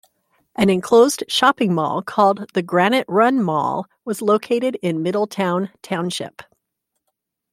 An enclosed shopping mall called the Granite Run Mall was located in Middletown Township.